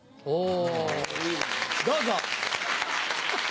お！